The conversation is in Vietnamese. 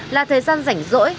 là thời gian rảnh rỗi